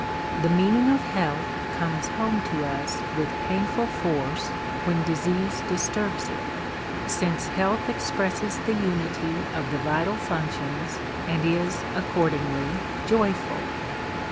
The meaning of health comes home to us with painful force when disease disturbs it; since health expresses the unity of the vital functions and is accordingly joyful.